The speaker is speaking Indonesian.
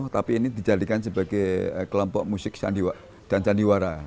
tapi ini dijadikan sebagai kelompok musik dan candiwara